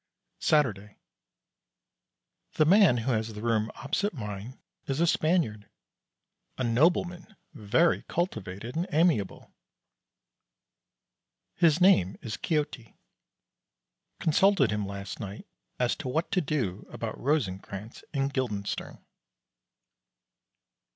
Saturday. The man who has the rooms opposite mine is a Spaniard. A nobleman very cultivated and amiable. His name is Quixote. Consulted him last night as to what to do about Rosencrantz and Guildenstern.